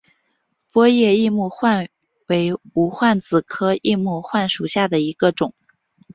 波叶异木患为无患子科异木患属下的一个种。